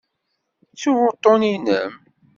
Ttuɣ uṭṭun-inem.